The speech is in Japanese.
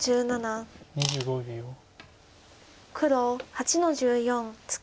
黒８の十四ツケ。